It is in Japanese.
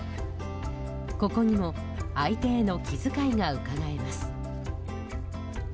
ここにも相手への気遣いがうかがえます。